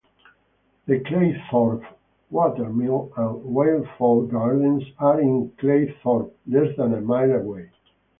The Claythorpe Watermill and Wildfowl Gardens are in Claythorpe, less than a mile away.